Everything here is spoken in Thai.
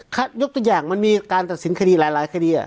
ยกตัวอย่างมันมีการตัดสินคดีหลายคดี